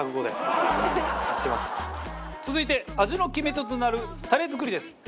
続いて味の決め手となるタレ作りです。